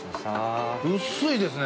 薄いですね。